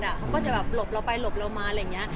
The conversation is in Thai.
เขาก็จะแบบหลบเราไปหลบเรามาอะไรอย่างนี้